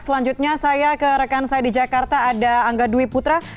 selanjutnya saya ke rekan saya di jakarta ada angga dwi putra